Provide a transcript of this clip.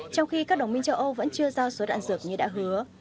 trong khi các đồng minh châu âu vẫn chưa giao số đạn dược như đã hứa